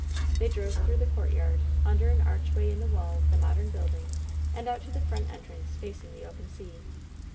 They drove through the courtyard, under an archway in the wall of the modem building, and out to the front entrance, facing the open sea.